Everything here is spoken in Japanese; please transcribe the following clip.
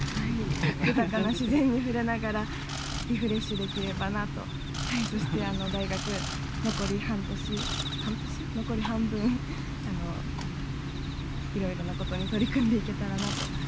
豊かな自然に触れながら、リフレッシュできればなと、そして大学も残り半年、残り半分、いろいろなことに取り組んでいけたらなと。